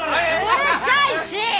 うるさいし！